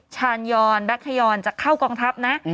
ชาญยอนแบ็คฮยอนจะเข้ากองทัพนะ